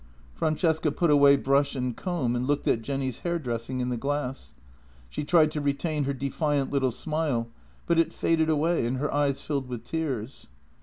Francesca put away brush and comb and looked at Jenny's hairdressing in the glass. She tried to retain her defiant little smile, but it faded away and her eyes filled with tears.